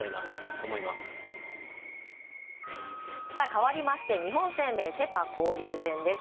かわりまして日本生命セ・パ交流戦です。